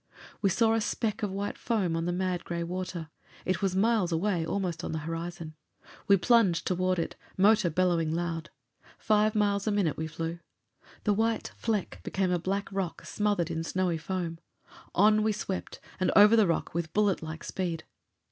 We saw a speck of white foam on the mad gray water. It was miles away, almost on the horizon. We plunged toward it, motor bellowing loud. Five miles a minute we flew. The white fleck became a black rock smothered in snowy foam. On we swept, and over the rock, with bullet like speed.